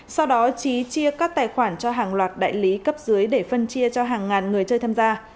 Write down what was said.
sau đó trí chia các tài khoản cho hàng loạt đại lý cấp dưới để phân chia cho hàng ngàn người chơi tham gia